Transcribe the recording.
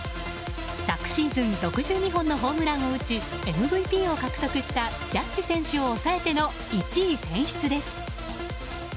昨シーズン６２本のホームランを打ちＭＶＰを獲得したジャッジ選手を抑えての１位選出です。